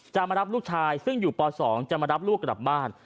มารับลูกชายซึ่งอยู่ป๒จะมารับลูกกลับบ้าน